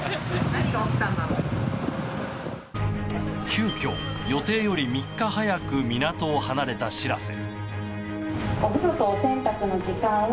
急きょ予定より３日早く港を離れた「しらせ」。